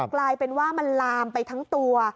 กลายเป็นว่ามันลามไปทั้งตัว